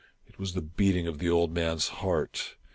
It was the beating of the old man's heart.